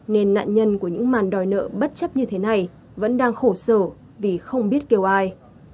nên nạn nhân của những màn đòi nợ bất chấp như thế này vẫn đang khổ sở vì không biết kêu ai